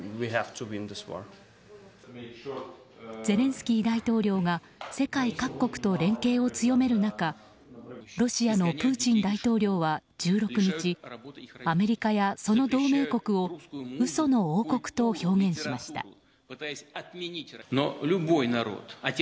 ゼレンスキー大統領が世界各国と連携を強める中ロシアのプーチン大統領は１６日アメリカやその同盟国を嘘の王国と表現しました。